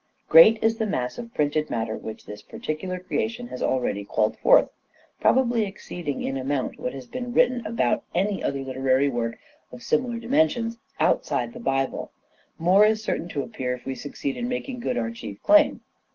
Great as is the mass of printed matter which this Hamlet and particular creation has already called forth, probably Destiny exceeding in amount what has been written about any other literary work of similar dimensions outside the Bible, more is certain to appear if we succeed in making good our chief claim.